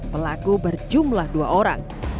pelaku berjumlah dua orang